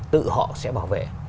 tự họ sẽ bảo vệ